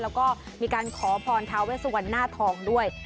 แล้วก็มีการขอพรทาเวสวันหน้าทองด้วย